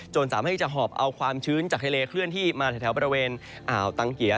สามารถให้จะหอบเอาความชื้นจากทะเลเคลื่อนที่มาแถวบริเวณอ่าวตังเกีย